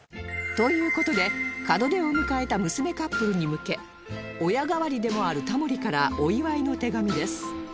という事で門出を迎えた娘カップルに向け親代わりでもあるタモリからお祝いの手紙です